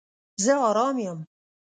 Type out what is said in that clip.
زه آرام یم